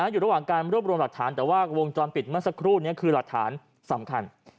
อยู่ระหว่างการรวบรวมหลักฐานแต่ว่าวงจรปิดเมื่อสักครู่นี้คือหลักฐานสำคัญ